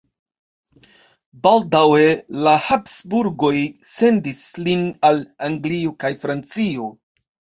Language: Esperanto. Baldaŭe la Habsburgoj sendis lin al Anglio kaj Francio.